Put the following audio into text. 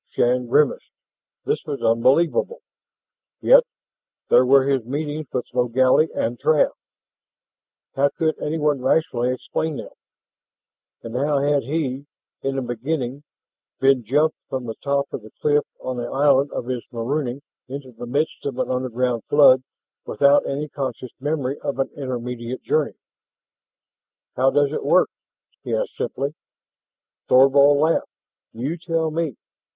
Shann grimaced. This was unbelievable. Yet there were his meetings with Logally and Trav. How could anyone rationally explain them? And how had he, in the beginning, been jumped from the top of the cliff on the island of his marooning into the midst of an underground flood without any conscious memory of an intermediate journey? "How does it work?" he asked simply. Thorvald laughed. "You tell me.